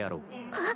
あっ。